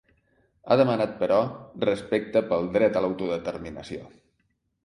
Ha demanat, però, “respecte” pel dret a l’autodeterminació.